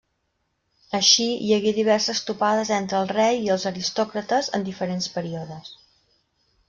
Així, hi hagué diverses topades entre el rei i els aristòcrates en diferents períodes.